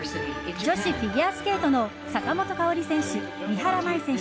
女子フィギュアスケートの坂本花織選手、三原舞依選手